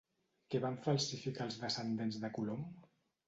Què van falsificar els descendents de Colom?